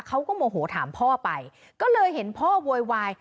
โมโหถามพ่อไปก็เลยเห็นพ่อโวยวาย